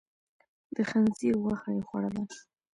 د خنزير غوښه يې خوړله.